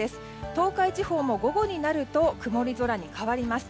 東海地方も午後になると曇り空に変わります。